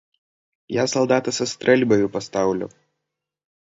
Я салдата са стрэльбаю пастаўлю!